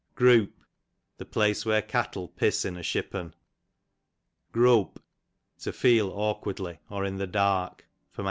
Groop, the place where cattle piss in a shippen. Grope, to feel awkwardly] or in the dark. A.